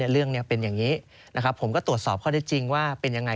เรื่องเป็นอย่างนี้ผมก็ตรวจสอบเขาได้จริงว่าเป็นอย่างไร